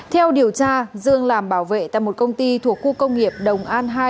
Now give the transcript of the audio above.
theo điều tra dương làm bảo vệ tại một công ty thuộc khu công nghiệp đồng an hai